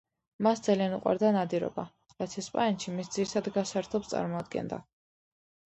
მას ძალიან უყვარდა ნადირობა, რაც ესპანეთში მის ძირითად გასართობს წარმოადგენდა.